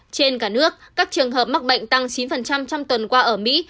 trên cả nước các trường hợp mắc bệnh tăng chín trong tuần qua ở mỹ